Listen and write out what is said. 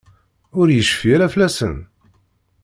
Ur yecfi ara fell-asen?